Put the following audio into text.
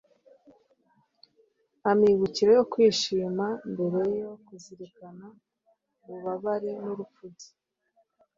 amibukiro yo kwishima mbere yo kuzirikana ububabare n’urupfu bye